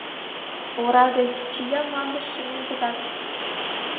— Ораде, чия мландыш шыҥен пытас.